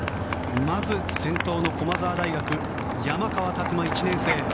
まず先頭の駒澤大学山川拓馬、１年生。